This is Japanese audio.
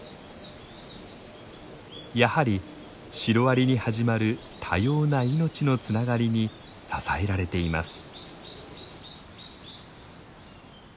やはりシロアリに始まる多様な命のつながりに支えられています。